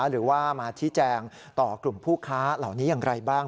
หรือว่ามาชี้แจงต่อกลุ่มผู้ค้าเหล่านี้อย่างไรบ้าง